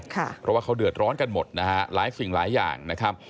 เพราะว่าเขาเดือดร้อนกันหมดนะฮะหลายสิ่งหลายอย่างนะครับ